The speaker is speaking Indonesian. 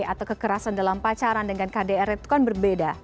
atau kekerasan dalam pacaran dengan kdr itu kan berbeda